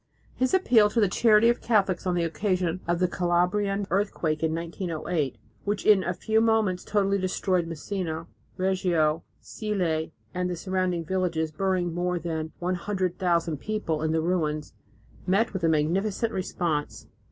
His appeal to the charity of Catholics on the occasion of the Calabrian earthquake in 1908, which in a few moments totally destroyed Messina, Reggio, Sille and the surrounding villages, burying more than 100,000 people in the ruins, met with a magnificent response.